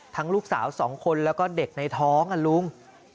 ลูกสาว๒คนแล้วก็เด็กในท้องลุง